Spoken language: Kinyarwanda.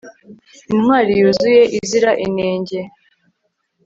intwari yuzuye izira inenge